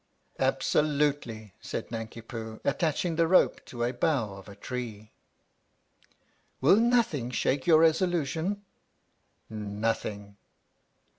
" Absolutely," said Nanki Poo, attaching the rope to a bough of a tree. " Will nothing shake your resolution ?"" Nothing!"